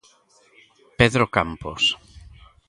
Pedro Campos.